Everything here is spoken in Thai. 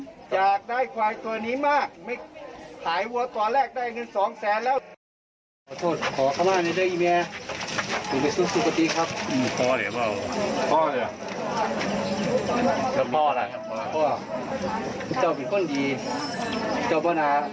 อืมอยากได้ควายตัวนี้มาที่สองแสนแล้ว